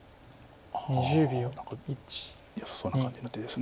はあ何かよさそうな感じの手です。